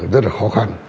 rất là khó khăn